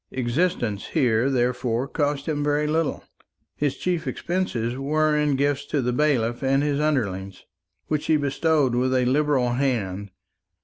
Existence here therefore cost him very little; his chief expenses were in gifts to the bailiff and his underlings, which he bestowed with a liberal hand.